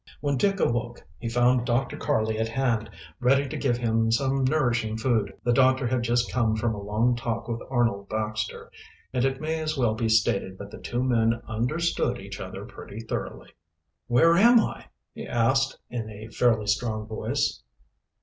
When Dick awoke he found Dr. Karley at hand, ready to give him some nourishing food. The doctor had just come from a long talk with Arnold Baxter, and it may as well be stated that the two men understood each other pretty thoroughly. "Where am I?" he asked, in a fairly strong voice.